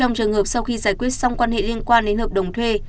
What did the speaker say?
trong trường hợp sau khi giải quyết xong quan hệ liên quan đến hợp đồng thuê